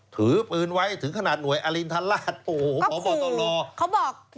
ถือปืนไว้ถึงขนาดหน่วยอลินทรรศโอ้โหขอบบต้องรอ